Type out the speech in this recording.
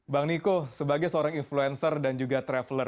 bang niko sebagai seorang influencer dan juga traveler